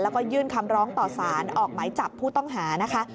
แล้วก็ยื่นคำร้องต่อสารออกหมายจับผู้ต้องหานะคะ